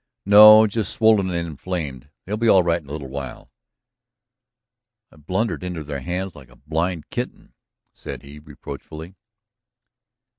"No, just swollen and inflamed. They'll be all right in a little while." "I blundered into their hands like a blind kitten," said he, reproachfully.